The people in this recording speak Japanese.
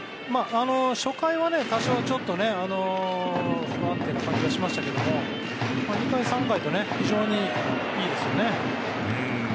初回は多少ちょっと不安定な感じがしましたけど２回３回と非常にいいですよね。